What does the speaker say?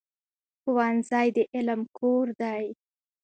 ښوونځی د علم کور دی.